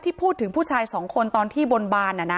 พูดถึงผู้ชายสองคนตอนที่บนบาน